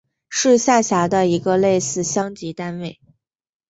是下辖的一个类似乡级单位。